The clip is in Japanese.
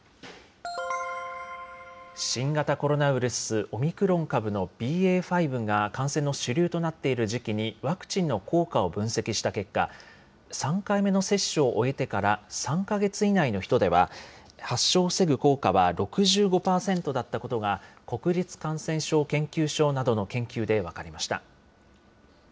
新型コロナウイルスオミクロン株のＢＡ．５が感染の主流となっている時期に、ワクチンの効果を分析した結果、３回目の接種を終えてから３か月以内の人では、発症を防ぐ効果は６５％だったことが、国立感染症研究所などの研究で分かりました。